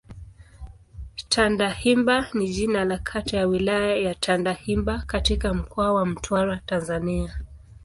Tandahimba ni jina la kata ya Wilaya ya Tandahimba katika Mkoa wa Mtwara, Tanzania.